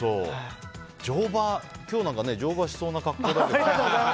乗馬、今日なんか乗馬しそうな格好だけど。